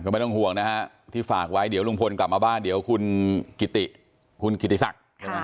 แล้วพอที่ฝากไว้เดี๋ยวลุงพลกลับมาบ้านเดี๋ยวคุณกิตติคุณกิตติสัก